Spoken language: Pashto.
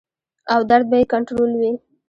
او درد به ئې کنټرول وي -